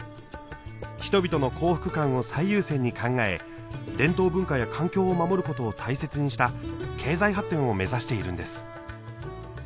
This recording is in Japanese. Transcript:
人々の幸福感を最優先に考え伝統文化や環境を守る事を大切にした経済発展を目指しているんです。